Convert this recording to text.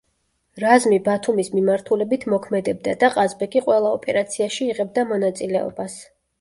რაზმი ბათუმის მიმართულებით მოქმედებდა და ყაზბეგი ყველა ოპერაციაში იღებდა მონაწილეობას.